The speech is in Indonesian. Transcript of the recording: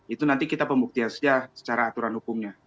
itu nanti kita pembuktian saja secara aturan hukumnya